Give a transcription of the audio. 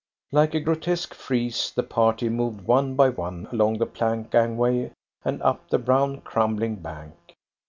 Like a grotesque frieze the party moved one by one along the plank gangway and up the brown crumbling bank.